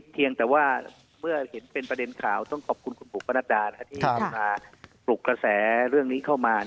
เพียงแต่ว่าเมื่อเห็นเป็นประเด็นข่าวต้องขอบคุณคุณบุ๋ปนัดดาที่มาปลุกกระแสเรื่องนี้เข้ามา